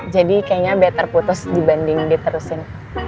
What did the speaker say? jadi kayaknya better putus dibanding diterusin